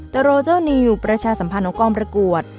แต่โรเจ้านิวประชาสัมพันธ์ของกองประกวด